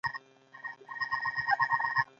هېواد زموږ عزت دی